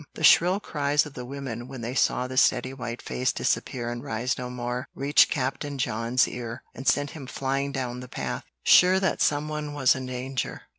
The shrill cries of the women when they saw the steady white face disappear and rise no more, reached Captain John's ear, and sent him flying down the path, sure that some one was in danger.